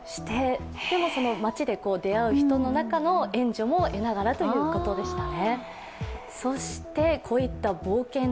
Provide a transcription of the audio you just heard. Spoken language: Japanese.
でも街で出会う人の援助も得ながらということでしたね。